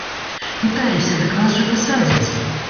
Пытаемся, дык вас жа пасадзяць?!